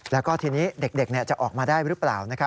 แล้วก็ทีนี้เด็กจะออกมาได้หรือเปล่า